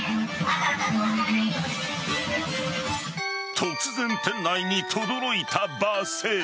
突然、店内にとどろいた罵声。